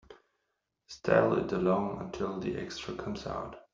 Stall it along until the extra comes out.